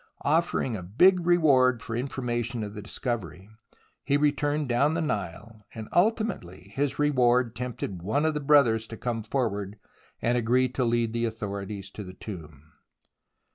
Offering a big reward for information of the discovery, he returned down the Nile, and ultimately his reward tempted one of the brothers to come forward and agree to lead the authorities to the tomb.